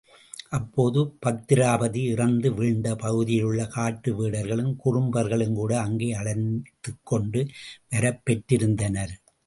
அப்போது பத்திராபதி இறந்து வீழ்ந்த பகுதியிலுள்ள காட்டு வேடர்களும் குறும்பர்களும்கூட அங்கே அழைத்துக் கொண்டு வரப்பெற்றிருந்தனர்.